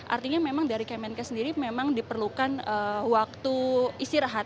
artinya memang dari kemenkes sendiri memang diperlukan waktu istirahat